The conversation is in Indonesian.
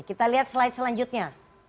kita lihat slide selanjutnya